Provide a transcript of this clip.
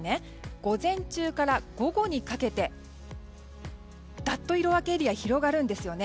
午前中から午後にかけて、ぐっと色分けエリア広がるんですね。